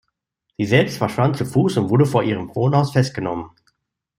Sie selbst verschwand zu Fuß und wurde vor ihrem Wohnhaus festgenommen.